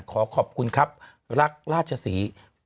ขอขอบคุณครับรักราชศรี